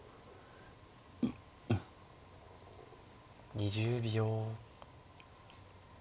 ２０秒。